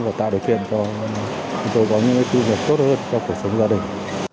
và tạo được tiện cho chúng tôi có những cái tư vật tốt hơn cho cuộc sống gia đình